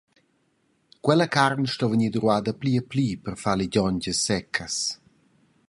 Quella carn sto vegnir duvrada pli e pli per far ligiongias seccas.